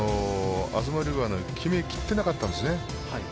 東龍は決めきってなかったんですね。